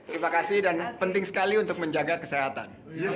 terima kasih dan penting sekali untuk menjaga kesehatan